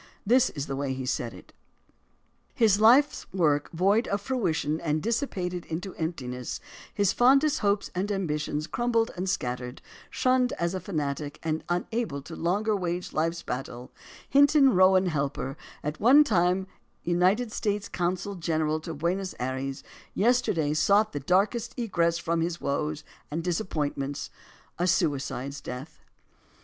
This is the way he said it: His life's work void of fruition and dissipated into empti ness, his fondest hopes and ambitions crumbled and scattered, shunned as a fanatic, and unable to longer wage life's battle, Hinton Rowan Helper, at one time United States consul gen AS TO ANTHOLOGIES 241 eral to Buenos Ayres, yesterday sought the darkest egress from his woes and disappointments — a suicide's death.